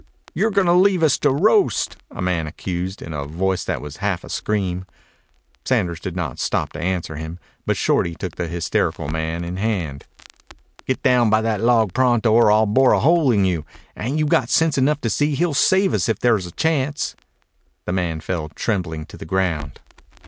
"You're gonna leave us to roast," a man accused, in a voice that was half a scream. Sanders did not stop to answer him, but Shorty took the hysterical man in hand. "Git down by that log pronto or I'll bore a hole in you. Ain't you got sense enough to see he'll save us if there's a chance?" The man fell trembling to the ground.